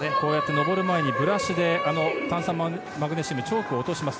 登る前にブラシで炭酸マグネシウムチョークを落とします。